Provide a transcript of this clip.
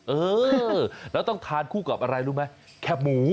เออแล้วต้องทานคู่กับอะไรรู้ไหมแคบหมู